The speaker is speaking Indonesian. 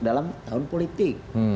dalam tahun politik